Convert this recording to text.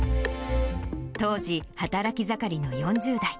当時、働き盛りの４０代。